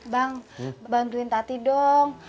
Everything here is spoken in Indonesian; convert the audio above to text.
bang bantuin tati dong